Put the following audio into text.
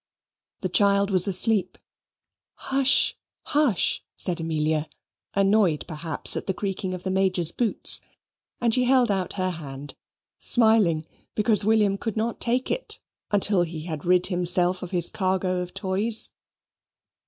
The child was asleep. "Hush," said Amelia, annoyed, perhaps, at the creaking of the Major's boots; and she held out her hand; smiling because William could not take it until he had rid himself of his cargo of toys.